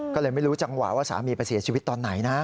ก็เลยไม่รู้จังหวะว่าสามีไปเสียชีวิตตอนไหนนะ